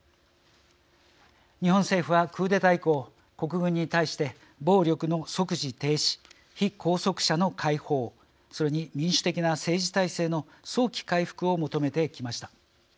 日本政府は、クーデター以降国軍に対して暴力の即時停止被拘束者の解放それに民主的な政治体制の早期回復を求めてきました。